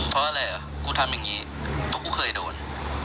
เพราะอะไรเหรอกูทำอย่างนี้พวกกูเคยโดน